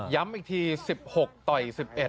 ย้ำอีกที๑๖ต่อย๑๑